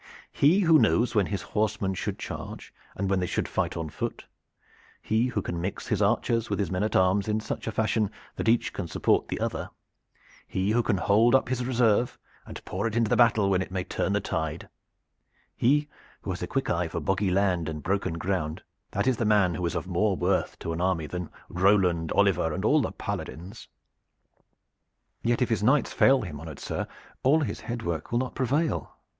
He who knows when his horsemen should charge and when they should fight on foot, he who can mix his archers with his men at arms in such a fashion that each can support the other, he who can hold up his reserve and pour it into the battle when it may turn the tide, he who has a quick eye for boggy land and broken ground that is the man who is of more worth to an army than Roland, Oliver and all the paladins." "Yet if his knights fail him, honored sir, all his head work will not prevail."